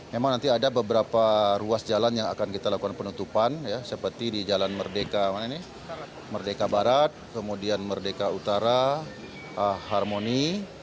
memang nanti ada beberapa ruas jalan yang akan kita lakukan penutupan seperti di jalan merdeka barat kemudian merdeka utara harmoni